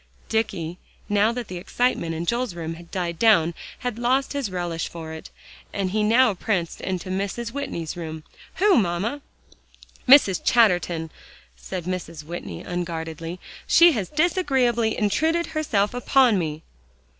Dicky, now that the excitement in Joel's room had died down, had lost his relish for it, and he now pranced into Mrs. Whitney's room. "Who, mamma?" "Mrs. Chatterton," said Mrs. Whitney unguardedly. "She has disagreeably intruded herself upon me."